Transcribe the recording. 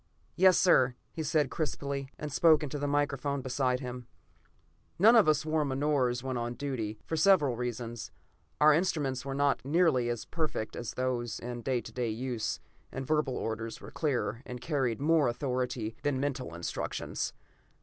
"Yes, sir!" he said crisply, and spoke into the microphone beside him. None of us wore menores when on duty, for several reasons. Our instruments were not nearly as perfect as those in use to day, and verbal orders were clearer and carried more authority than mental instructions.